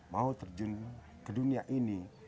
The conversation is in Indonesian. mau terjun ke dunia ini